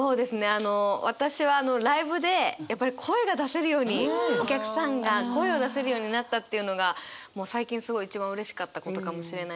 あの私はライブでやっぱり声が出せるようにお客さんが声を出せるようになったっていうのがもう最近すごい一番うれしかったことかもしれないです。